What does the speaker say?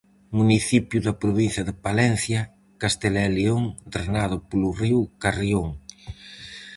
Municipio da provincia de Palencia, Castela e León, drenado polo río Carrión.